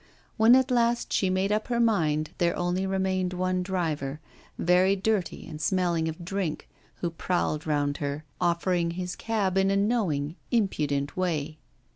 When at last she made up her mind there only remained one driver, very dirty and smelling of drink, who prowled round her, offering his cab in a knowing, impudent way.